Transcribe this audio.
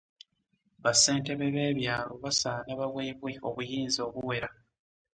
Ba Ssentebe b'ebyalo basaana baweebwe obuyinza obuwera.